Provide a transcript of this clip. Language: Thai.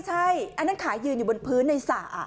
ใช่อันนั้นขายืนอยู่บนพื้นในสระ